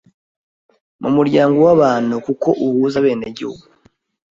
mu muryango w’abantu kuko uhuza abenegihugu